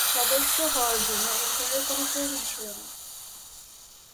সদস্য হওয়ার জন্য এই ধরনের কোনো প্রয়োজন ছিল না।